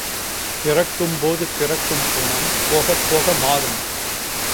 பிறக்கும்போது பிறக்கும் குணம் போகப்போக மாறும்.